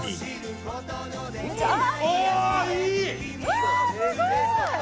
うわすごーい！